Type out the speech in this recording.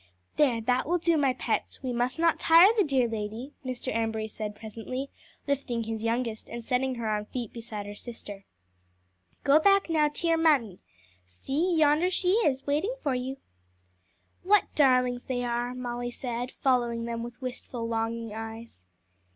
"There, that will do, my pets; we must not tire the dear lady," Mr. Embury said presently, lifting his youngest and setting her on her feet beside her sister. "Go back now to your mammy. See, yonder she is, waiting for you." "What darlings they are," Molly said, following them with wistful, longing eyes.